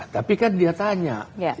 tapi kan dia tanya